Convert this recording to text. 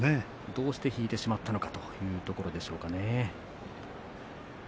どうして引いてしまったのかということでしょうね。